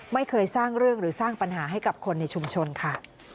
ไม่เคยสร้างเรื่องหรือสร้างปัญหาให้กับคนในชุมชนค่ะ